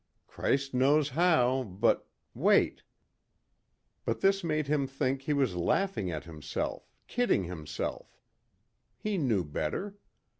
Christ knows how but, wait...." But this made him think he was laughing at himself, kidding himself. He knew better.